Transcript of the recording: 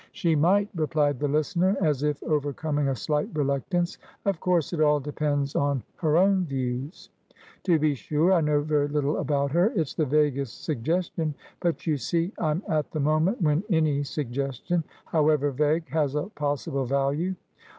"She might," replied the listener, as if overcoming a slight reluctance. "Of course it all depends on her own views." "To be sure, I know very little about her. It's the vaguest suggestion. But, you see, I'm at the moment, when any suggestion, however vague, has a possible value.